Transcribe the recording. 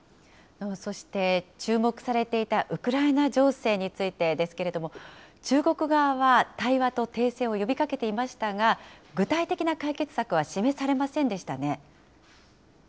そして注目されていたウクライナ情勢についてですけれども、中国側は対話と停戦を呼びかけていましたが、具体的な解決策は示されませんでしたね。